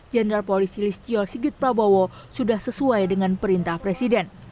jenderal polisi listio sigit prabowo sudah sesuai dengan perintah presiden